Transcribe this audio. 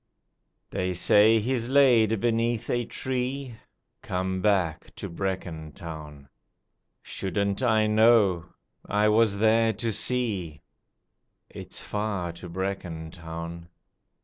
They say he's laid beneath a tree, (Come back to Brecon Town!) Shouldn't I know? I was there to see: (It's far to Brecon Town!)